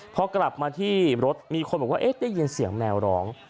พอกลับมาที่รถมีคนบอกว่าได้ยินเสียงแมวร้อง